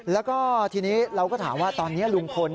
แล้วก็ทีนี้เราก็ถามว่าตอนนี้ลุงพล